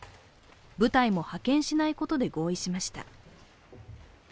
部隊も派遣しないことで合意しました。